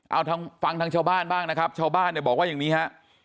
เอาทางฟังทางชาวบ้านบ้างนะครับชาวบ้านเนี่ยบอกว่าอย่างนี้ฮะ